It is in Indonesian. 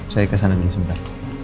saya kesana nih sebentar